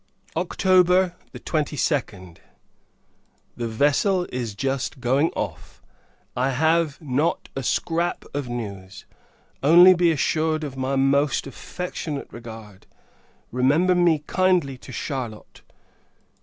October 22d. The vessel is just going off. I have not a scrap of news! Only, be assured of my most affectionate regard. Remember me kindly to Charlotte.